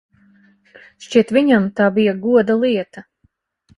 Šķiet, viņam tā bija goda lieta.